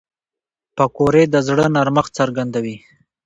پکورې د زړه نرمښت څرګندوي